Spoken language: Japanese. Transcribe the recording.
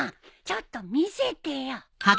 ちょっと見せてよ。